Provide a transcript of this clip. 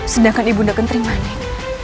sedangkan ibu nda kentering manik